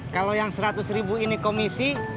kalau yang seratus ribu ini komisi